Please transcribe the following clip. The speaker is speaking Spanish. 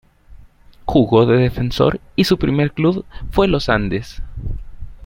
Jugó de defensor y su primer club fue Los Andes.